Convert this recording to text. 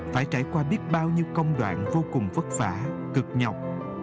phải trải qua biết bao nhiêu công đoạn vô cùng vất vả cực nhọc